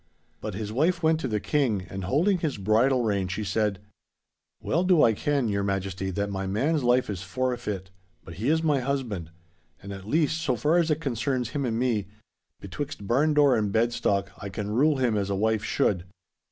But his wife went to the King and holding his bridle rein, she said, "Well do I ken, your Majesty, that my man's life is forfeit, but he is my husband. And at least, so far as it concerns him and me, betwixt barn door and bed stock I can rule him as a wife should.